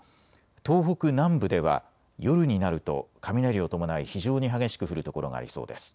東北南部では夜になると雷を伴い非常に激しく降る所がありそうです。